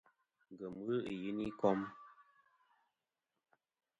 Ngèm ghɨ i yiyn i kom.